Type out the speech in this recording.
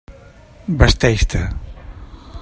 Vesteix-te.